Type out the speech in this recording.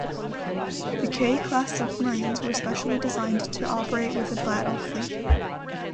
The "K" class submarines were specially designed to operate with a battle fleet.